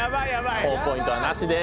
ほぉポイントはなしです。